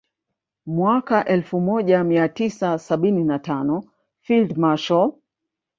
Mwaka elfu moja mia tisa sabini na tano Field Marshal